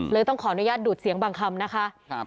เลยต้องขออนุญาตดูดเสียงบางคำนะคะ